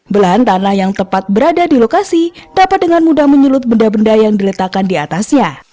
belahan tanah yang tepat berada di lokasi dapat dengan mudah menyulut benda benda yang diletakkan di atasnya